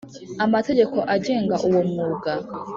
amategeko agenga uwo mwuga.